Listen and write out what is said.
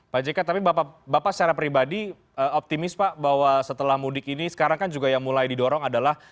pak jk tapi bapak secara pribadi optimis pak bahwa setelah mudik ini sekarang kan juga yang mulai didorong adalah